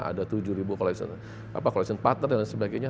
ada tujuh ribu collection partner dan lain sebagainya